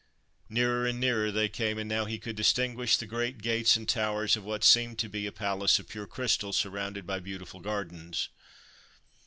Nearer and nearer they came, and now he could distinguish the great gates and towers of what seemed to be a palace of pure crystal, surrounded by beautiful gardens.